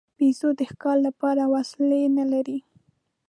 بیزو د ښکار لپاره وسلې نه لري.